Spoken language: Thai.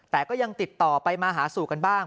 แต่ก็ยังติดต่อไปมาหาสู่กันบ้าง